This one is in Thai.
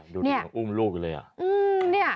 ดูดูอุ้มลูกเลยอ่ะ